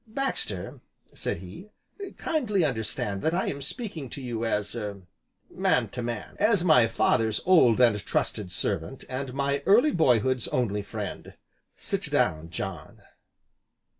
"Baxter," said he, "kindly understand that I am speaking to you as er man to man, as my father's old and trusted servant and my early boy hood's only friend; sit down, John."